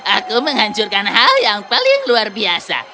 aku menghancurkan hal yang paling luar biasa